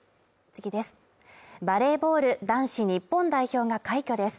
バレーボール男子日本代表が快挙です